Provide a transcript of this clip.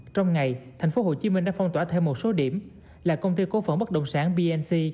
trong ngày tp hcm đã phong tỏa thêm một số điểm là công ty cố phận bất động sản bnc